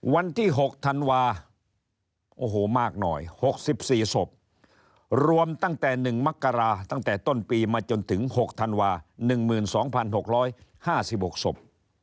วันที่๖ธันวาโอ้โหมากหน่อย๖๔ศพรวมตั้งแต่๑มกราตั้งแต่ต้นปีมาจนถึง๖ธันวา๑๒๖๕๖ศพ